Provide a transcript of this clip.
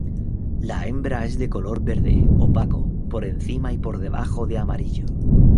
La hembra es de color verde opaco por encima y por debajo de amarillo.